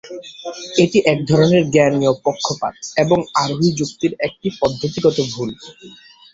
এটা একধরনের জ্ঞানীয় পক্ষপাত, এবং আরোহী যুক্তির একটি পদ্ধতিগত ভুল।